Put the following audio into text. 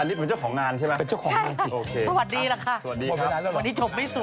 อันนี้มันเจ้าของงานใช่ไหมครับโอเคครับสวัสดีครับวันนี้จบไม่สวยสวัสดีครับ